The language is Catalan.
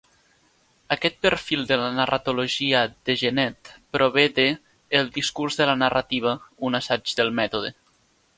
Aquest perfil de la narratologia de Genette prové de "El discurs de la narrativa: Un assaig del mètode".